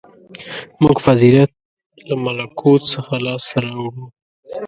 • موږ فضیلت له ملکوت څخه لاسته راوړو.